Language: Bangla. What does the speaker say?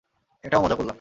এটাও মজা করলাম।